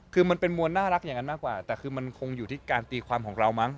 คือมันเป็นมวลน่ารักอย่างนั้นมากกว่าแต่คือมันคงอยู่ที่การตีความของเรามั้ง